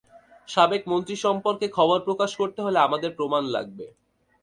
সাবেক মন্ত্রী সম্পর্কে খবর প্রকাশ করতে হলে আমাদের প্রমাণ লাগবে।